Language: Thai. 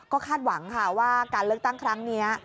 ก็คาดหวังค่ะว่าการเลือกตั้งครั้งนี้